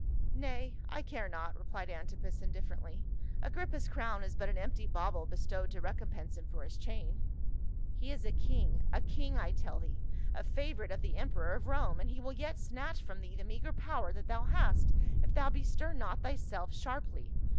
" Nay, I care not," replied Antipas indifferently. " Agrippa's crown is but an empty bauble bestowed to recompense him for his chain." " He is a king — a king, I tell thee, a favorite of the emperor of Rome, and he will yet snatch from thee the meagre power that thou ha.st if thou bestir not thyself sharply.